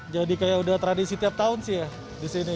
jadi kayak udah tradisi tiap tahun sih ya disini